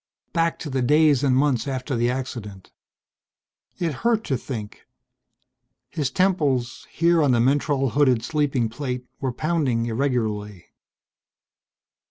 Back to the days and months after the accident. It hurt to think. His temples, here on the mentrol hooded sleeping plate, were pounding irregularly....